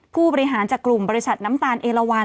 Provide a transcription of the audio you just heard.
ผู้บริหารจากกลุ่มบริษัทน้ำตาลเอลวัน